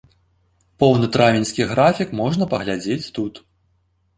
Поўны травеньскі графік можна паглядзець тут.